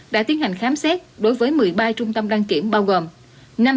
đã tiến hành khám xét đối với một mươi ba trung tâm đăng kiểm bao gồm